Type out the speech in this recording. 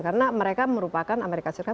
karena mereka merupakan amerika serikat